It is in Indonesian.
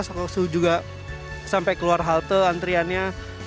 langsung juga sampai keluar halte antriannya